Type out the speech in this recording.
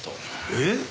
えっ？